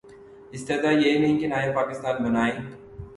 استدعا یہ نہیں کہ نیا پاکستان بنائیں۔